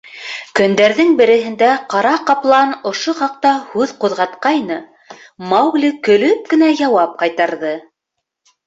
Көндәрҙең береһендә ҡара ҡаплан ошо хаҡта һүҙ ҡуҙғатҡайны, Маугли көлөп кенә яуап ҡайтарҙы: